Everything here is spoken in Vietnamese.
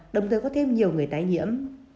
đồng thời có thêm nhiều người tái nhiễm